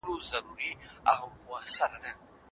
پښتو د معلوماتو په لاره کې د نوښت ټیکنالوژۍ جذبوي.